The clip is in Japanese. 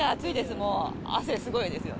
もう汗すごいですよ。